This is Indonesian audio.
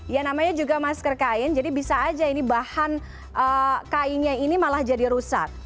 ya namanya juga masker kain jadi bisa aja ini bahan kainnya ini malah jadi rusak